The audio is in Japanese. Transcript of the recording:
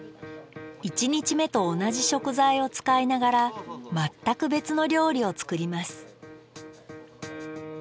一日目と同じ食材を使いながら全く別の料理を作ります